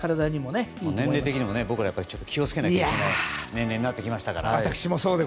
年齢的にも僕らは気を付けないといけない年齢になってきましたから。